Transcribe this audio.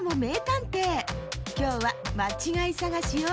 きょうはまちがいさがしよ。